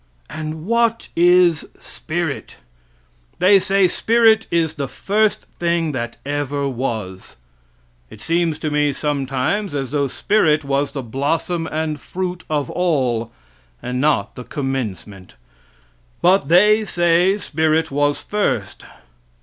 And what is spirit? They say spirit is the first thing that ever was. It seems to me sometimes as though spirit was the blossom and fruit of all, and not the commencement. But they say spirit was first.